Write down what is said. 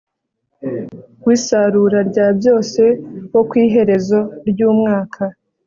w isarura rya byose wo ku iherezo ry umwaka